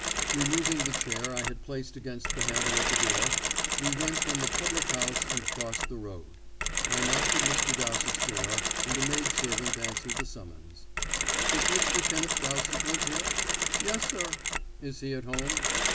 Removing the chair I had placed against the handle of the door, we went from the public house and crossed the road. I knocked at Mr. Dowsett's door, and a maidservant answered the summons. "Does Mr. Kenneth Dowsett live here?" "Yes, sir." "Is he at home?"